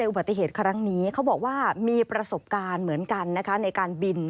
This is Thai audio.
อุบัติเหตุครั้งนี้เขาบอกว่ามีประสบการณ์เหมือนกันนะคะในการบิน